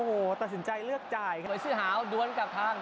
โอ้โหตัดสินใจเลือกจ่ายหวยเสื้อหาวด้วนกับทาง